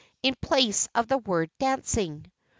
in place of the word "Dancing."